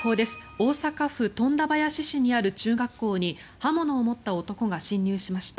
大阪府富田林市にある中学校に刃物を持った男が侵入しました。